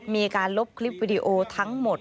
มีการลบคลิปวิดีโอทั้งหมด